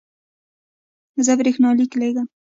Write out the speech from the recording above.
زه برېښنالیک لیږم